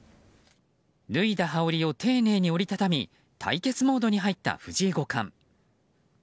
脱いだ羽織を丁寧に折りたたみ対決モードに入った藤井五冠。